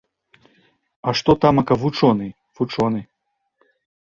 А што тамака вучоны, вучоны!